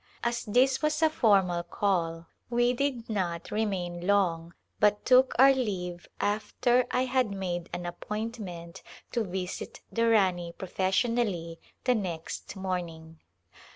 As this was a formal call we did not re c^ Call to Rajp2Ltana main long but took our leave after I had made an appointment to visit the Rani professionally the next morning.